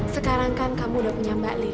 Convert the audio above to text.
sekarang kan kamu udah punya mbak li